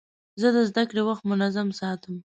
زه د زدهکړې وخت منظم ساتم.